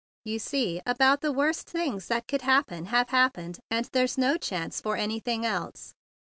You see about the worst things that could happen have happened, and there's no chance for anything else."